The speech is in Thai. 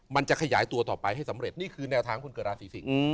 มันจะขยายตัวต่อไปให้สำเร็จนี่คือแนวทางคนเกิดราศีสิง